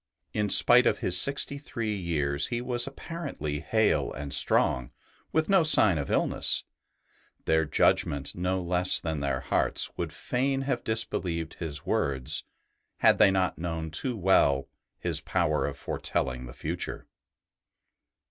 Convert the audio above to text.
In spite of his sixty three years he was apparently hale and strong, with no sign of illness; their judgment, no less than their hearts, would fain have disbelieved his words, had they not known too well his power of foretelling the future.